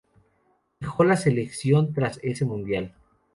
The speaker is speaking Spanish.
Dejó la selección tras ese Mundial.